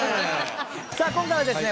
さあ今回はですね